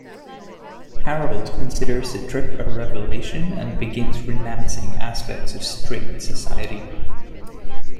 Harold considers the trip a revelation and begins renouncing aspects of "straight" society.